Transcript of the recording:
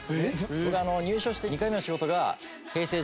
僕入所して２回目の仕事がＨｅｙ！